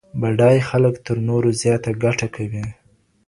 بډای خلګ تر نورو زياته ګټه کوي.